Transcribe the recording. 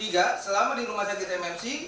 dengan keluarga dan keluarga yang berpengalaman